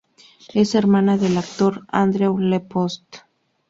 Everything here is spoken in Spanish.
Es hermana del actor Andrew-Lee Potts.